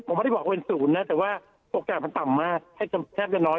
ผมไม่ได้บอกเป็นศูนย์นะแต่ว่าโอกาสมันต่ำมากแทบจะน้อย